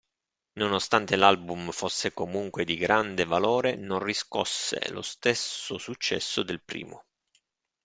Nonostante l'album fosse comunque di grande valore, non riscosse lo stesso successo del primo.